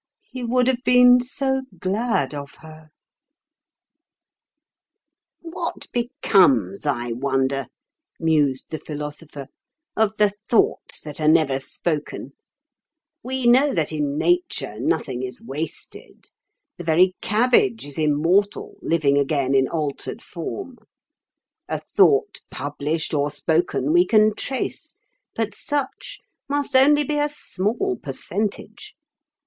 He would have been so glad of her." [Picture: Comparing himself the while with Molière reading to his cook] "What becomes, I wonder," mused the Philosopher, "of the thoughts that are never spoken? We know that in Nature nothing is wasted; the very cabbage is immortal, living again in altered form. A thought published or spoken we can trace, but such must only be a small percentage.